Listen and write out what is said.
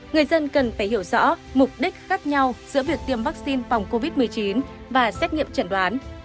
người dân cần phải hiểu rõ mục đích khác nhau giữa việc tiêm vaccine phòng covid một mươi chín và xét nghiệm chẩn đoán